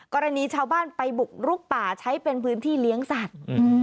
กรณีชาวบ้านไปบุกลุกป่าใช้เป็นพื้นที่เลี้ยงสัตว์